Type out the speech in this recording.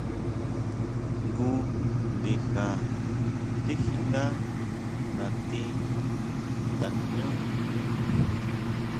Jngu ndija tikjíʼndá natí tajñú.